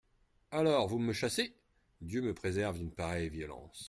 Alors vous me chassez ! Dieu me préserve d'une pareille violence.